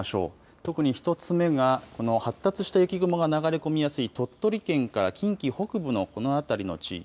特に１つ目が、この発達した雪雲が流れ込みやすい鳥取県から近畿北部のこの辺りの地域。